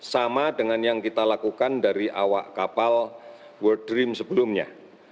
sama dengan yang kita lakukan dari awak kapal world dream sebelumnya